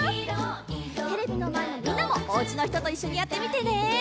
テレビのまえのみんなもおうちのひとといっしょにやってみてね！